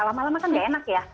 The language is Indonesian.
lama lama kan gak enak ya